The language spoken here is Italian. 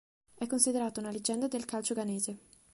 È considerato una leggenda del calcio ghanese.